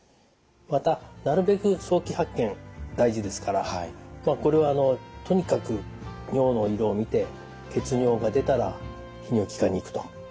またなるべく早期発見大事ですからこれはとにかく尿の色を見て血尿が出たら泌尿器科に行くと。